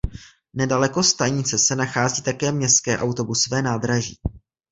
Nedaleko stanice se nachází také městské autobusové nádraží.